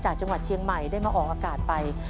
จังหวัดเชียงใหม่ได้มาออกอากาศไป